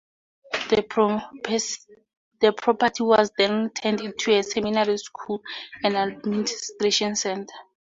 The property was then turned into a seminary-school and administration center.